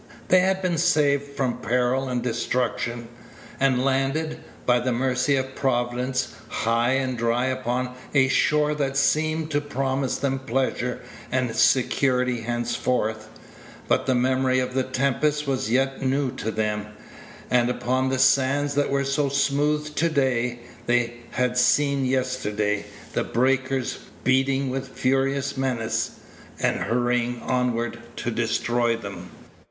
They had been saved from peril and destruction, and landed, by the mercy of Providence, high and dry upon a shore that seemed to promise them pleasure and security henceforth. But the memory of the tempest was yet new to them; and upon the sands that were so smooth to day they had seen yesterday the breakers beating with furious menace, and hurrying onward to destroy them.